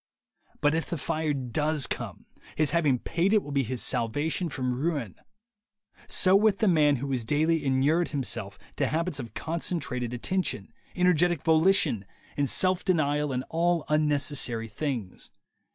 But if the fire does come, his having paid it will be his salvation from ruin. So with the man who has daily inured himself to habits of concentrated attention, energetic volition, and self denial in unnecessary things.